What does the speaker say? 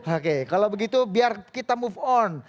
oke kalau begitu biar kita move on